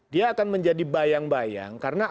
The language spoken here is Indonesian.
dia akan menjadi bayang bayang karena